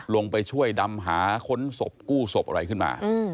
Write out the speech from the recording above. ลงไปช่วยดำหาค้นศพกู้ศพอะไรขึ้นมา